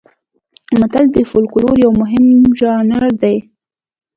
متل د فولکلور یو مهم ژانر دی